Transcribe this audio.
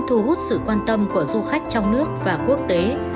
thu hút sự quan tâm của du khách trong nước và quốc tế